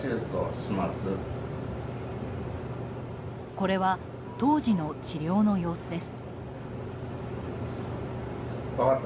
これは当時の治療の様子です。